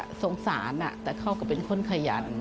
ก็สงสารแต่เขาก็เป็นคนขยัน